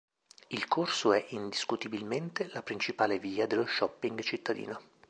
Il corso è, indiscutibilmente, la principale via dello shopping cittadino.